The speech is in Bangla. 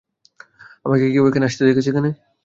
আপনাকে কেউ আসতে দেখেছে এখানে?